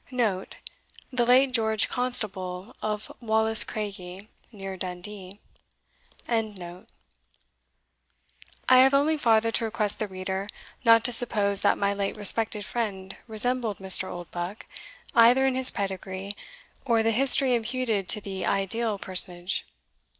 * [The late George Constable of Wallace Craigie, near Dundee.] I have only farther to request the reader not to suppose that my late respected friend resembled Mr. Oldbuck, either in his pedigree, or the history imputed to the ideal personage.